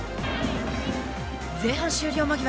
前半終了間際。